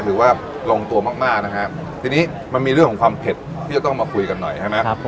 ถือว่าลงตัวมากมากนะฮะทีนี้มันมีเรื่องของความเผ็ดที่จะต้องมาคุยกันหน่อยใช่ไหม